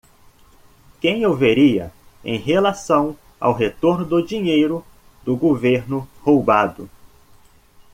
Quem eu veria em relação ao retorno do dinheiro do governo roubado?